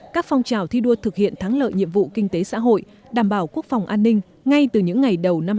các phong trào thi đua thực hiện thắng lợi nhiệm vụ kinh tế xã hội đảm bảo quốc phòng an ninh ngay từ những ngày đầu năm hai nghìn một mươi chín